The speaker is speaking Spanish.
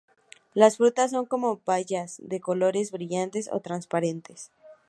Las frutas son como bayas de colores brillantes o transparentes.